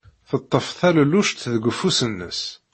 Teḍḍef talelluct deg ufus-nnes.